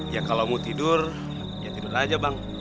ya kalau mau tidur ya tidur aja bang